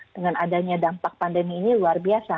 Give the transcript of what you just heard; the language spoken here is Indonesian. dengan adanya dampak pandemi ini luar biasa